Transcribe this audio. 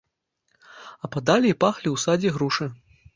Ападалі і пахлі ў садзе грушы.